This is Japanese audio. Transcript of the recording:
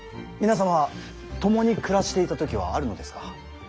皆様共に暮らしていた時はあるのですか。